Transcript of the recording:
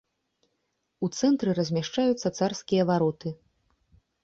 У цэнтры размяшчаюцца царскія вароты.